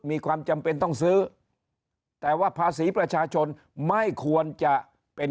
มีความจำเป็นต้องซื้อแต่ว่าภาษีประชาชนไม่ควรจะเป็น